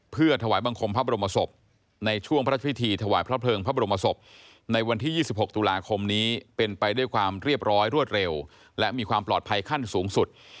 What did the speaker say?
เพื่อถวายบังคมพระบรมศพในช่วงพระราชพิธีถวายพระเพลิงพระบรมศพในวันที่๒๖ตุลาคมนี้เป็นไปด้วยความเรียบร้อยรวดเร็วและมีความปลอดภัยขั้นสูงสุด